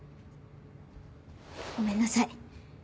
ごめんなさい。